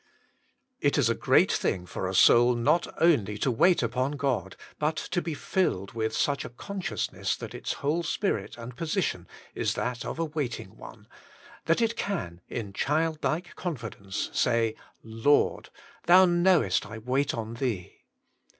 It is a great thing for a soul not only to wait upon God, but to be filled with such a consciousness that its whole spirit and positiop is that of a waiting one, that it can, in childlike confidence, say, Lord ! Thou knowest, I wait on Thee.